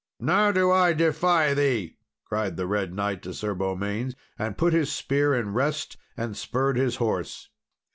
"Now do I defy thee!" cried the Red Knight to Sir Beaumains, and put his spear in rest and spurred his horse.